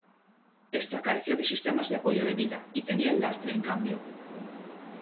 Esta careció de sistemas de apoyo de vida y tenía el lastre en cambio.